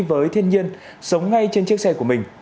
với thiên nhiên sống ngay trên chiếc xe của mình